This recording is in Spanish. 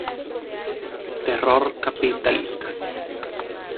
Terror Capitalista.